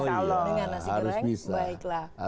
dengan nasi goreng baiklah